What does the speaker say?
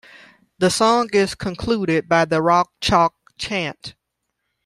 The song is concluded by the Rock Chalk Chant.